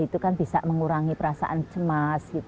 itu kan bisa mengurangi perasaan cemas